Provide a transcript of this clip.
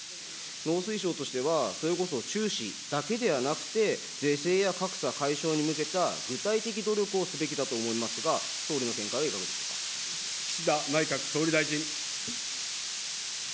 農水省としては、それこそちゅうしだけではなくて、是正や格差解消に向けた具体的な努力をすべきだと思いますが、総岸田内閣総理大臣。